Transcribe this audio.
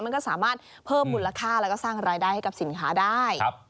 มันก็สามารถเพิ่มมูลค่าแล้วก็สร้างรายได้ให้กับสินค้าได้